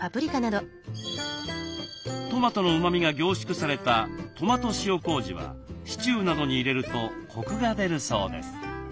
トマトのうまみが凝縮されたトマト塩こうじはシチューなどに入れるとコクが出るそうです。